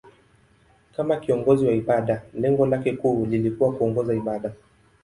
Kama kiongozi wa ibada, lengo lake kuu lilikuwa kuongoza ibada.